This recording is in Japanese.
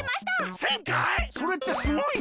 それってすごいの？